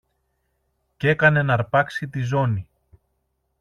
Κι έκανε ν' αρπάξει τη ζώνη.